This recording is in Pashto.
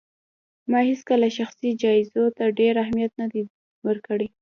ما هيڅکله شخصي جايزو ته ډېر اهمیت نه دی ورکړی